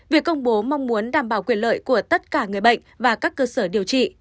việc công bố mong muốn đảm bảo quyền lợi của tất cả người bệnh và các cơ sở điều trị